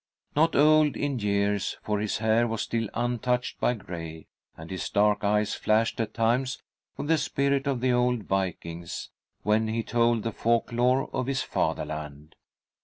Not old in years, for his hair was still untouched by gray, and his dark eyes flashed at times with the spirit of the old vikings, when he told the folk lore of his fatherland.